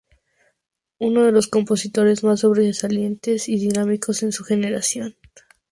Uno los compositores más sobresalientes y dinámicos de su generación.